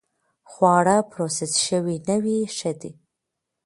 خواړه پروسس شوي نه وي، ښه دي.